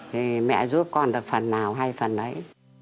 thì mẹ giúp con được phần nào hay phần ấy